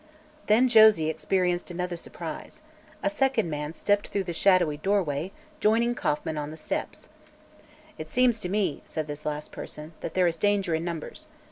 Then Josie experienced another surprise. A second man stepped through the shadowy doorway, joining Kauffman on the steps. "It seems to me," said this last person, "that there is danger in numbers.